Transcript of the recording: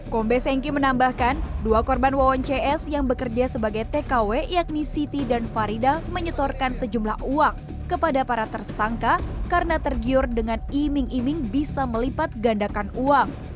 kombes hengki menambahkan dua korban wawon cs yang bekerja sebagai tkw yakni siti dan farida menyetorkan sejumlah uang kepada para tersangka karena tergiur dengan iming iming bisa melipat gandakan uang